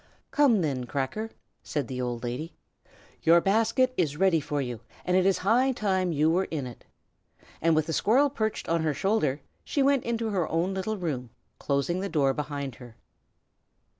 "Come, then, Cracker," said the old lady. "Your basket is all ready for you, and it is high time you were in it." And with the squirrel perched on her shoulder she went into her own little room, closing the door behind her.